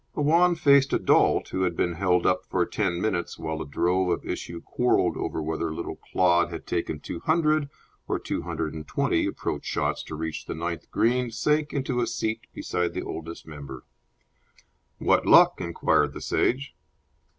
A wan faced adult, who had been held up for ten minutes while a drove of issue quarrelled over whether little Claude had taken two hundred or two hundred and twenty approach shots to reach the ninth green sank into a seat beside the Oldest Member. "What luck?" inquired the Sage.